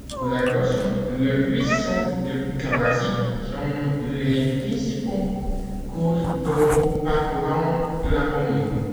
La Grosne, le Ruisseau de Tavoisy sont les principaux cours d'eau parcourant la commune.